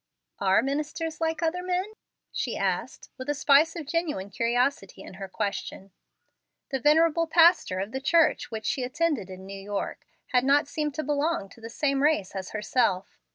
"Are ministers like other men?" she asked, with a spice of genuine curiosity in her question. The venerable pastor of the church which she attended in New York had not seemed to belong to the same race as herself.